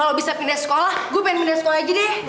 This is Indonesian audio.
kalau bisa pindah sekolah gue pengen pindah sekolah aja deh